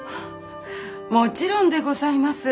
もちろんでございます。